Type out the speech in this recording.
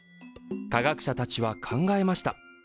科学者たちは考えました。